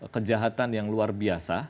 kejahatan yang luar biasa